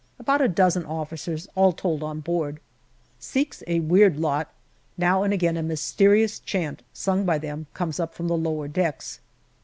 About a dozen officers all told on board. Sikhs a weird lot; now and again a mysterious chant, sung by them, comes up from the lower decks.